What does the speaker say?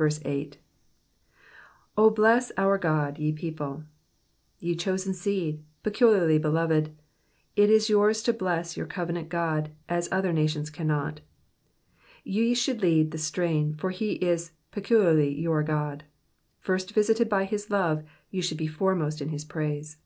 0 5&M OUT Ood^ ye peopled Ye chosen seed, peculiarly beloved, it is yours to bless your covenant God as other nations cannot. Ye should lead the strain, for he is peculiarly your God. First visited by his love, ye should be foremost in his praise.